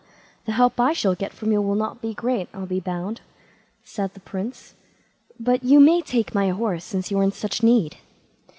the help I shall get from you will not be great, I'll be bound", said the Prince; "but you may take my horse, since you are in such need."